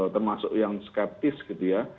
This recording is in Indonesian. termasuk yang skeptis gitu ya